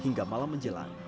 hingga malam menjelang